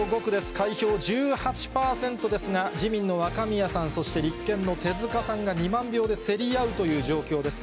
開票１８％ですが、自民の若宮さん、そして立憲の手塚さんが２万票で競り合うという状況です。